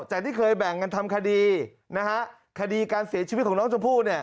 ที่เคยแบ่งกันทำคดีนะฮะคดีการเสียชีวิตของน้องชมพู่เนี่ย